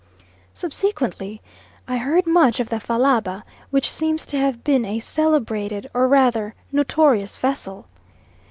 Subsequently I heard much of the Fallaba, which seems to have been a celebrated, or rather notorious, vessel.